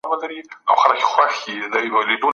خپل ماشومان له سګرټو لرې وساتئ.